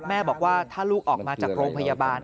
แม่บอกว่าถ้าลูกออกมาจากโรงพยาบาล